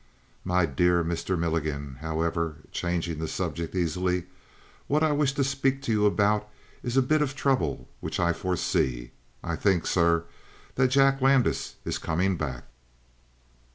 "My dear Mr. Milligan! However" changing the subject easily "what I wish to speak to you about is a bit of trouble which I foresee. I think, sir, that Jack Landis is coming back."